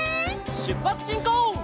しゅっぱつしんこう！